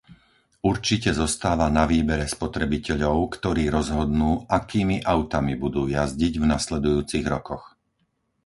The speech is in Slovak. Určite zostáva na výbere spotrebiteľov, ktorí rozhodnú, akými autami budú jazdiť v nasledujúcich rokoch.